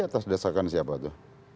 atas desakan siapa itu